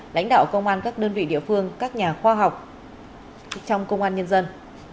lãnh đạo công an các đơn vị địa phương các nhà khoa học trong công an nhân dân